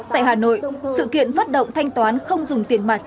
tại hà nội sự kiện phát động thanh toán không dùng tiền mặt